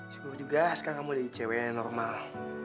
syukur juga sekarang kamu jadi cewek yang normal